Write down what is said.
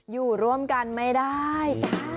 อยู่ร่วมกันไม่ได้